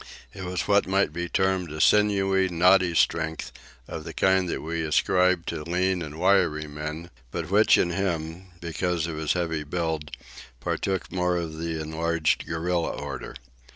It was what might be termed a sinewy, knotty strength, of the kind we ascribe to lean and wiry men, but which, in him, because of his heavy build, partook more of the enlarged gorilla order.